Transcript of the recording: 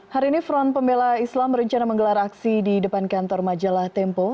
hari ini front pembela islam berencana menggelar aksi di depan kantor majalah tempo